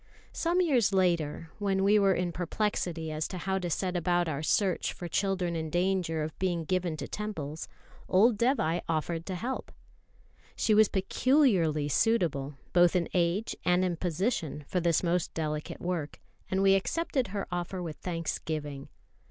Some years later, when we were in perplexity as to how to set about our search for children in danger of being given to temples, old Dévai offered to help. She was peculiarly suitable, both in age and in position, for this most delicate work; and we accepted her offer with thanksgiving.